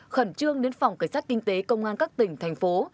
khẩn trương đến phòng cảnh sát kinh tế công an các tỉnh thành phố